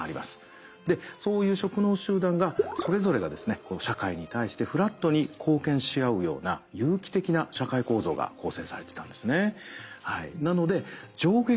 でそういう職能集団がそれぞれが社会に対してフラットに貢献し合うような有機的な社会構造が構成されていたんですね。